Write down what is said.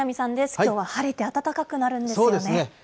きょうは晴れて暖かくなるんですそうですね。